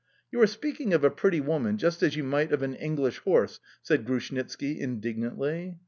"You are speaking of a pretty woman just as you might of an English horse," said Grushnitski indignantly.